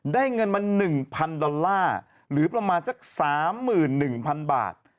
ได้เงินมา๑๐๐๐ดอลลาร์หรือประมาณสัก๓๑๐๐๐บาท